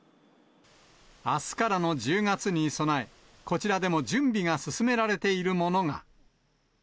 あすからの１０月に備え、こちらでも準備が進められているものが。